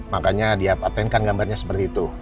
makanya diapatenkan gambarnya seperti itu